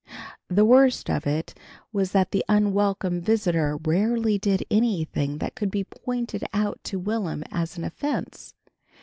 The worst of it was that the unwelcome visitor rarely did anything that could be pointed out to Will'm as an offense.